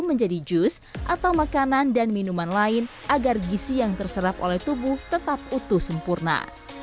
menjadi jus atau makanan dan minuman lain agar gisi yang terserap oleh tubuh tetap utuh sempurna